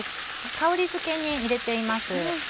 香り付けに入れています。